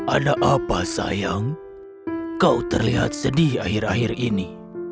ada apa sayang kau terlihat sedih akhir akhir ini